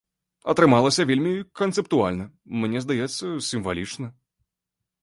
Атрымалася вельмі канцэптуальна, мне здаецца, сімвалічна.